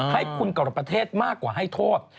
ให้คุณกรประเทศมากกว่าให้โทษ